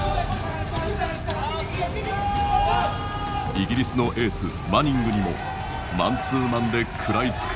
イギリスのエースマニングにもマンツーマンで食らいつく。